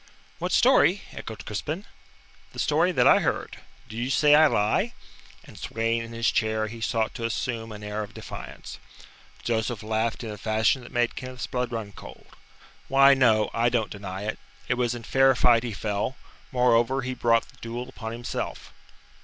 "What story?" echoed Crispin. "The story that I heard. Do you say I lie?" And, swaying in his chair, he sought to assume an air of defiance. Joseph laughed in a fashion that made Kenneth's blood run cold. "Why, no, I don't deny it. It was in fair fight he fell. Moreover, he brought the duel upon himself."